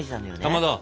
かまど。